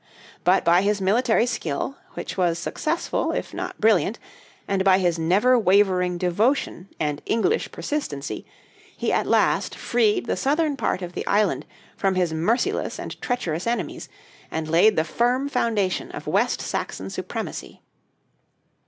But by his military skill, which was successful if not brilliant, and by his never wavering devotion and English persistency, he at last freed the southern part of the island from his merciless and treacherous enemies, and laid the firm foundation of West Saxon supremacy.